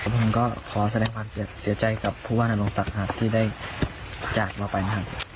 ผมก็ขอแสดงความเสียใจกับผู้ว่านโรงศักดิ์ที่ได้จากเราไปนะครับ